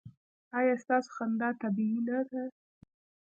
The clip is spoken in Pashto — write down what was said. ایا ستاسو خندا طبیعي نه ده؟